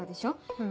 うん。